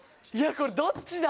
これどっちだ？